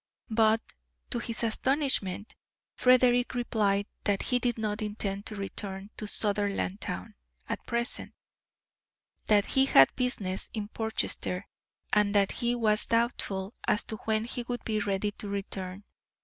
But, to his astonishment, Frederick replied that he did not intend to return to Sutherlandtown at present; that he had business in Portchester, and that he was doubtful as to when he would be ready to return.